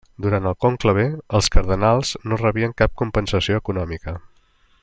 Durant el conclave, els cardenals no rebien cap compensació econòmica.